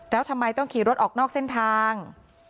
แล้วทำไมต้องขี่รถออกนอกเส้นทาง